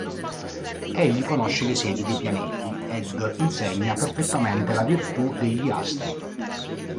Egli conosce le sedi dei pianeti ed insegna perfettamente la virtù degli astri.